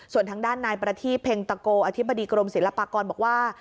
ส่วนทางด้านนายประทีเพ็งตะโกอธิบดีกรมศิลปากรบอกว่า